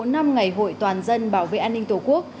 một mươi năm năm ngày hội toàn dân bảo vệ an ninh tổ quốc